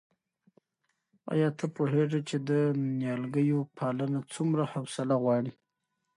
آیا ته پوهېږې چې د نیالګیو پالنه څومره حوصله غواړي؟